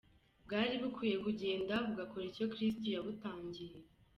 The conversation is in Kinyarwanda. bwari bukwiye kugenda bugakora icyo Kristo yabutangiye.